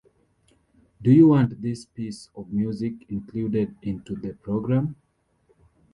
Do you want this piece of music included into the program?